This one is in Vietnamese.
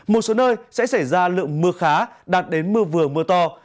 một số nơi sẽ xảy ra lượng mưa khá đạt đến mưa vừa mưa to